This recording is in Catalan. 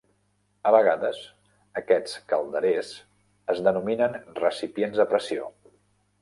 A vegades, aquests calderers es denominen recipients a pressió.